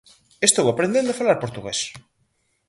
Estou aprendendo a falar portugués.